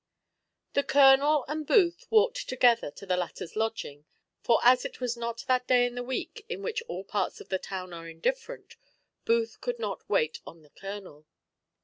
_ The colonel and Booth walked together to the latter's lodging, for as it was not that day in the week in which all parts of the town are indifferent, Booth could not wait on the colonel.